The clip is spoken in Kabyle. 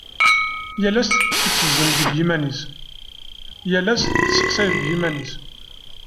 Yal ass tettezzem deg yiman-is, yal ass testeqsay deg yiman-is.